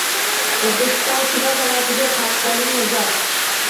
O‘zbekiston kino san’atiga haqqoniy nazar